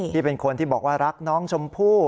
เป็นคนที่บอกว่ารักน้องชมพู่